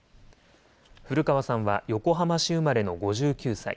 古川さんは横浜市生まれの５９歳。